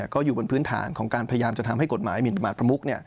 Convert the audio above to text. ก็อยู่บนพื้นฐานของการพยายามจะทำให้กฎหมายหมินประมาทประมุก